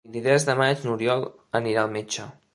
El vint-i-tres de maig n'Oriol anirà al metge.